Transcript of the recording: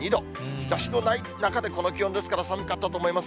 日ざしのない中でこの気温ですから、寒かったと思います。